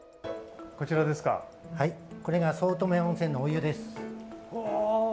これが早乙女温泉のお湯です。